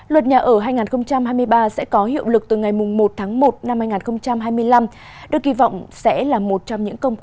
luật nhà ở hai nghìn hai mươi ba sẽ có hiệu lực từ ngày một tháng một năm hai nghìn hai mươi năm được kỳ vọng sẽ là một trong những công cụ